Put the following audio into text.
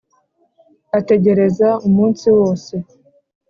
ategereza umunsi wose